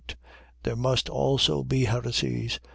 There must be also heresies.